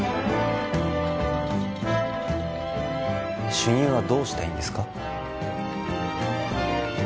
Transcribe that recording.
主任はどうしたいんですか？